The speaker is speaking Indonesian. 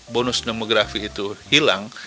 bonus demografi itu hilang